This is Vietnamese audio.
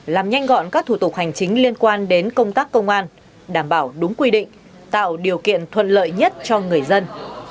làm nhanh gọn các thủ tục hành chính liên quan đến công tác công an đảm bảo đúng quy định tạo điều kiện thuận lợi nhất cho người dân